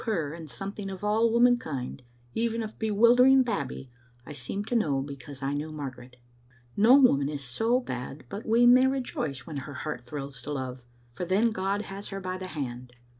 her, and something of all womankind, even of bewilder ing Babbie, I seem to know because I knew Margaret. No woman is so bad but we may rejoice when her heart thrills to love, for then God has her by the hand.